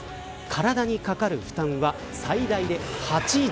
体にかかる負担は最大で８Ｇ